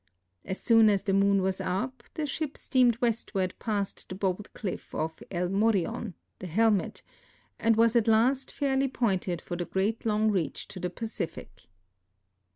As soon as the moon was U]), the shif) steamed westward past the bold cliff of El Morion (the Helmet), and was at last fairly pointed for the great long reach to the Pacific.